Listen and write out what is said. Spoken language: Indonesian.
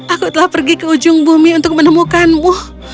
aku telah pergi ke ujung bumi untuk menemukanmu